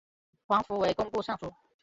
黄福为工部尚书。